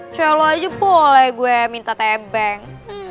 coba lo aja boleh gue minta tebeng